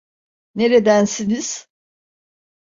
Neredensiniz?